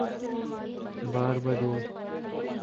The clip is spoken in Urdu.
بارباڈوس